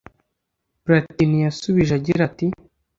Platini yasubije agira ati